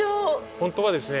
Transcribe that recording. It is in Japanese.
本当はですね